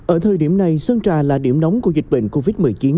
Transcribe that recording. ở thời điểm này sơn trà là điểm nóng của dịch bệnh covid một mươi chín